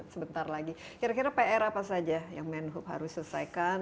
sebentar lagi kira kira pr apa saja yang menhub harus selesaikan